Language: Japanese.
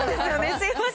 すみません。